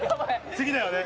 次だよね